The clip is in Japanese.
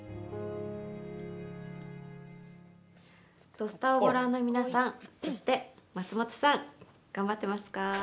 「土スタ」をご覧の皆さんそして松本さん、頑張ってますか。